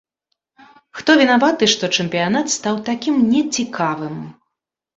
Хто вінаваты, што чэмпіянат стаў такім не цікавым?